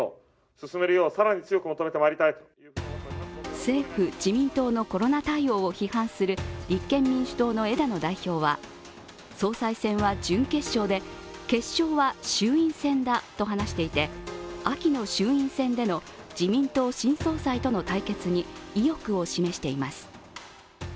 政府・自民党のコロナ対応を批判する立憲民主党の枝野代表は総裁選は準決勝で、決勝は衆院選だと話していて秋の衆院選での自民党新総裁との対決に意欲を示しています。